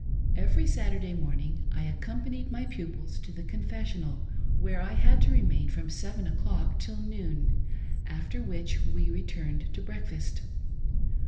Every Saturday morn ing I accompanied my pupils to the confessional, where I had to remain from seven o'clock till noon ; after which we returned to breakfast.